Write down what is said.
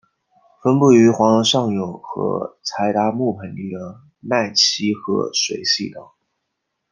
分布于黄河上游和柴达木盆地的奈齐河水系等。